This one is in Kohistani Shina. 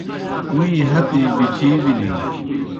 می ہتِجیْ بِچِی/بِچِیں بِلِن۔